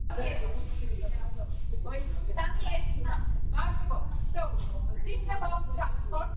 ჯამის ფოთოლაკები ჩვეულებრივ მწვანეა, ერთმანეთთან შეზრდილი ან განცალკევებული.